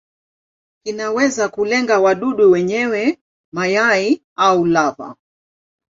Kinaweza kulenga wadudu wenyewe, mayai au lava.